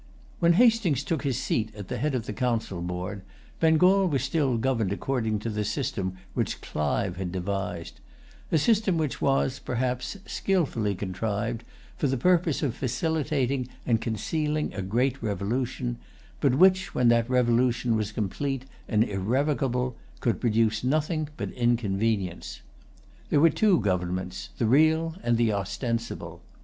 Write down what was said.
When Hastings took his seat at the head of the council board, Bengal was still governed according to the system which Clive had devised,—a system which was, perhaps, skilfully contrived for the purpose of facilitating and concealing a great revolution, but which, when that revolution was complete and irrevocable, could produce nothing but inconvenience. There were two governments, the real and the ostensible.